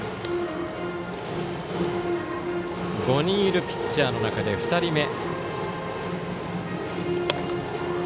５人いるピッチャーの中で２人目。